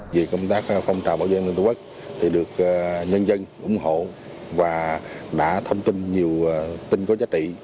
về công tác phong trào bảo vệ liên tổ quốc thì được nhân dân ủng hộ và đã thông tin nhiều tin có giá trị